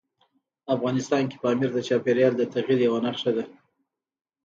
افغانستان کې پامیر د چاپېریال د تغیر یوه نښه ده.